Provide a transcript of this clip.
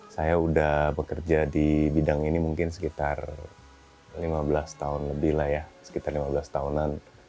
saya sudah bekerja di bidang ini mungkin sekitar lima belas tahun lebih lah ya sekitar lima belas tahunan